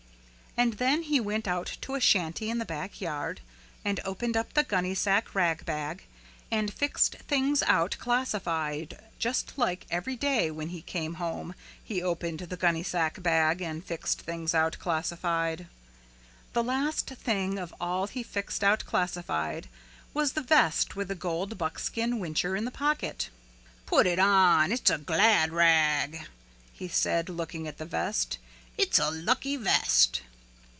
Then he went out to a shanty in the back yard and opened up the gunnysack rag bag and fixed things out classified just like every day when he came home he opened the gunnysack bag and fixed things out classified. The last thing of all he fixed out classified was the vest with the gold buckskin whincher in the pocket. "Put it on it's a glad rag," he said, looking at the vest. "It's a lucky vest."